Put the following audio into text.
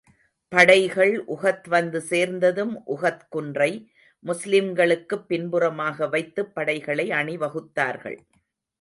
படைகள் உஹத் வந்து சேர்ந்ததும், உஹத் குன்றை, முஸ்லிம்களுக்குப் பின்புறமாக வைத்துப் படைகளை அணி வகுத்தார்கள்.